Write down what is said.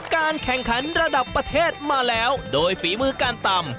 การแข่งขันระดับประเทศมาแล้วโดยฝีมือการตำ